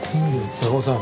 高尾さん